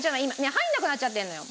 入らなくなっちゃってるのよ